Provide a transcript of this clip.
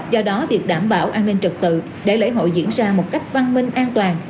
do đó việc đảm bảo an ninh trật tự để lễ hội diễn ra một cách văn minh an toàn